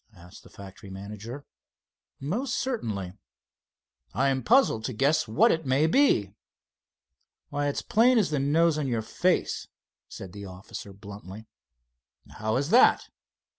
asked the factory manager. "Most certainly." "I am puzzled to guess what it may be." "Why, it's plain as the nose on your face," said the officer bluntly. "How is that?"